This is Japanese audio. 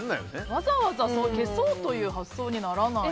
わざわざ消そうという発想にならない。